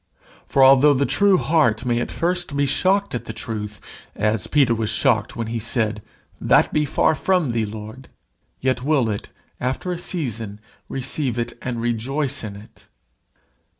For, although the true heart may at first be shocked at the truth, as Peter was shocked when he said, "That be far from thee, Lord," yet will it, after a season, receive it and rejoice in it.